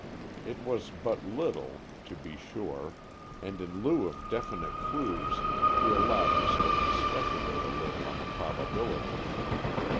It was but little, to be sure, and in lieu of definite clues he allowed himself to speculate a little on the probabilities.